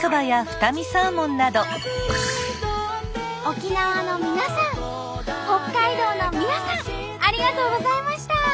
沖縄の皆さん北海道の皆さんありがとうございました。